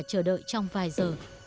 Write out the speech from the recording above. chờ đợi trong vài giờ